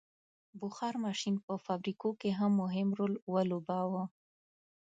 • بخار ماشین په فابریکو کې مهم رول ولوباوه.